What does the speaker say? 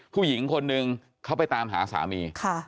ผู้หญิงคนนึงเขาไปตามหาสามี